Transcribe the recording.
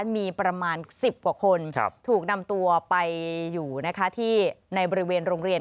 มีประมาณ๑๐กว่าคนถูกนำตัวไปอยู่ที่ในบริเวณโรงเรียน